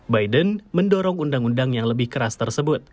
biden mendorong undang undang yang lebih keras tersebut